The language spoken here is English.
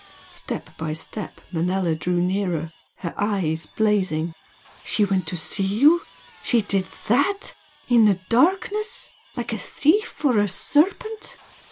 Step by step Manella drew nearer, her eyes blazing. "She went to see you? She did THAT! In the darkness? like a thief or a serpent!"